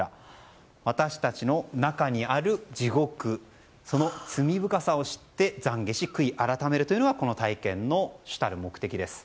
私たちの中にある地獄その罪深さを知って懺悔し悔い改めるというのがこの体験の主たる目的です。